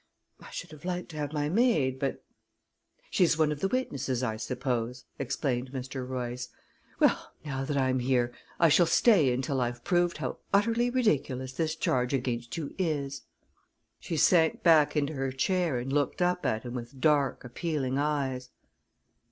I should have liked to have my maid, but " "She's one of the witnesses, I suppose," explained Mr. Royce. "Well, now that I'm here, I shall stay until I've proved how utterly ridiculous this charge against you is." She sank back into her chair and looked up at him with dark, appealing eyes.